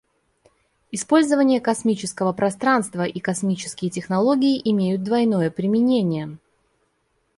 Использование космического пространства и космические технологии имеют двойное применение.